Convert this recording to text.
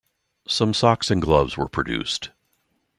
Some socks and gloves were produced.